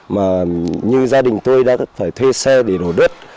mà như gia đình tôi đã phải thuê xe để đổ đất